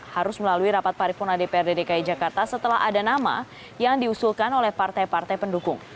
harus melalui rapat paripurna dprd dki jakarta setelah ada nama yang diusulkan oleh partai partai pendukung